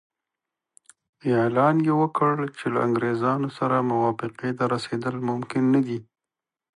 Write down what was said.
اعلان یې وکړ چې له انګریزانو سره موافقې ته رسېدل ممکن نه دي.